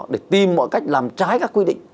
để tìm mọi cách làm trái các quy định